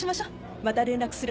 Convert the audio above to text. また連絡する。